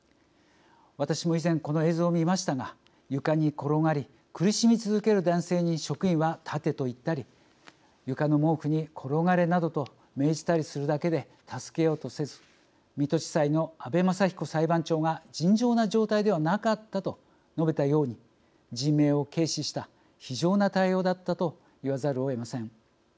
私も以前この映像を見ましたが床に転がり苦しみ続ける男性に職員は「立て」と言ったり床の毛布に「転がれ」などと命じたりするだけで助けようとせず水戸地裁の阿部雅彦裁判長が「尋常な状態ではなかった」と述べたように人命を軽視した非情な対応だったと言わざるをえません。